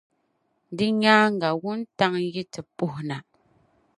Di nyaaŋa wuntaŋ' yi ti puhi na.